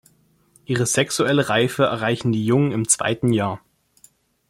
Ihre sexuelle Reife erreichen die Jungen im zweiten Jahr.